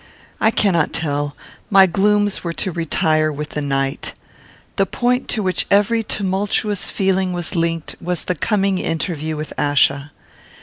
I cannot tell; my glooms were to retire with the night. The point to which every tumultuous feeling was linked was the coming interview with Achsa.